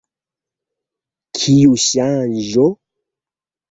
Kiu ŝanĝo?